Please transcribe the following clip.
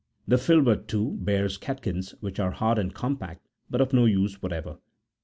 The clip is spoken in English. The filbert, too, bears catkins, which are hard and com pact, but of no use45 whatever. (30.)